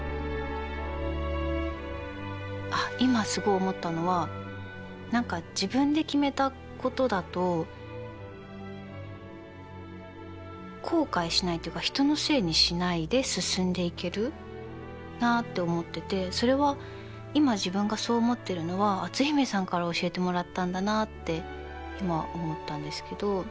あっ今すごい思ったのは何か自分で決めたことだと後悔しないっていうか人のせいにしないで進んでいけるなって思っててそれは今自分がそう思ってるのは篤姫さんから教えてもらったんだなって今思ったんですけど。